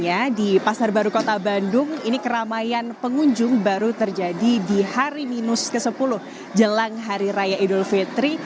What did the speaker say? ya di pasar baru kota bandung ini keramaian pengunjung baru terjadi di hari minus ke sepuluh jelang hari raya idul fitri